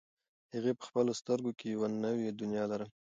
هغې په خپلو سترګو کې یوه نوې دنیا لرله.